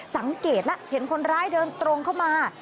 สังเกตแล้วเห็นคนร้ายเดินตรงเข้ามา